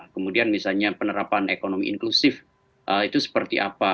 kemudian misalnya penerapan ekonomi inklusif itu seperti apa